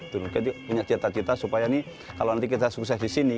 jadi punya cita cita supaya ini kalau nanti kita sukses di sini